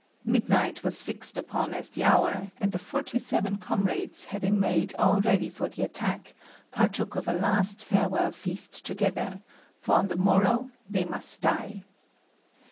Midnight was fixed upon as the hour, and the forty seven comrades, having made all ready for the attack, partook of a last farewell feast together, for on the morrow they must die.